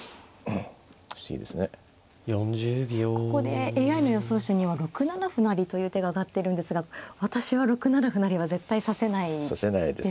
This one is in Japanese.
ここでＡＩの予想手には６七歩成という手が挙がってるんですが私は６七歩成は絶対指せないです。